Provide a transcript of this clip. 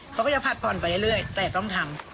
เขาก็จะผัดผ่อนไปเรื่อยแต่ต้องทำ